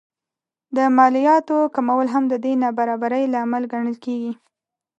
د مالیاتو کمول هم د دې نابرابرۍ لامل ګڼل کېږي